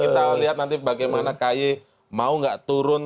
kita lihat nanti bagaimana k y mau nggak turun